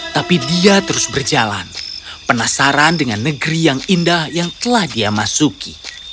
tapi dia terus berjalan penasaran dengan negeri yang indah yang telah dia masuki